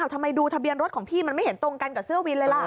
ทำไมดูทะเบียนรถของพี่มันไม่เห็นตรงกันกับเสื้อวินเลยล่ะ